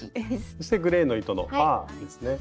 そしてグレーの糸のファーですね。